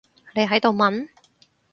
你喺度問？